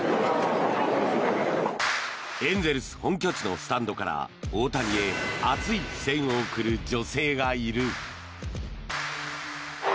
エンゼルス本拠地のスタンドから大谷へ熱い視線を送る女性がいる。